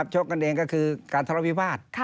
ชกกันเองก็คือการทะเลาวิวาส